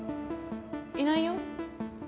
いないよ。